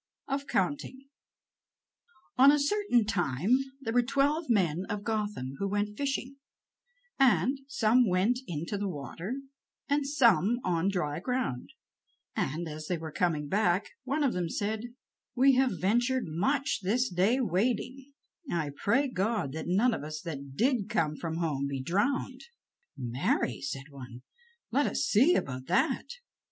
OF COUNTING On a certain time there were twelve men of Gotham who went fishing, and some went into the water and some on dry ground; and, as they were coming back, one of them said: "We have ventured much this day wading; I pray God that none of us that did come from home be drowned." "Marry," said one, "let us see about that.